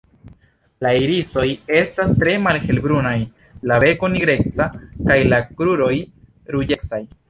La irisoj estas tre malhelbrunaj, la beko nigreca kaj la kruroj ruĝecaj.